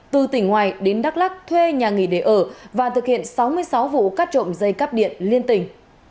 từ tỉnh ngoài đến đắk lắc thuê nhà nghỉ để ở và thực hiện sáu mươi sáu vụ cắt trộm dây cắp điện liên tỉnh